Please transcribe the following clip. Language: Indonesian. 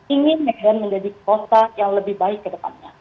ingin medan menjadi kota yang lebih baik ke depannya